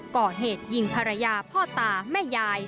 ก่อเหตุยิงภรรยาพ่อตาแม่ยาย